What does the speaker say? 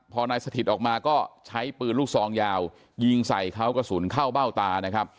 พอนายสถิตออกมาก็ใช้ปืนลูกซองยาวยิงใส่เขากระสุนเข้าเบ้าตานะครับ